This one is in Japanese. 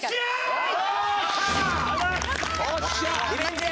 はい。